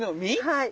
はい。